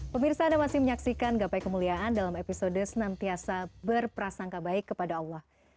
pemirsa anda masih menyaksikan gapai kemuliaan dalam episode senantiasa berprasangka baik kepada allah